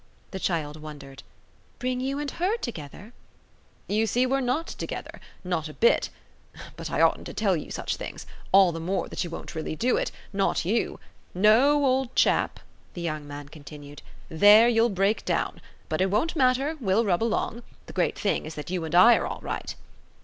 The child wondered. "Bring you and HER together?" "You see we're not together not a bit. But I oughtn't to tell you such things; all the more that you won't really do it not you. No, old chap," the young man continued; "there you'll break down. But it won't matter we'll rub along. The great thing is that you and I are all right."